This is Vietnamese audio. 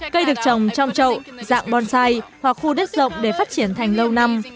cây được trồng trong trậu dạng bonsai hoặc khu đất rộng để phát triển thành lâu năm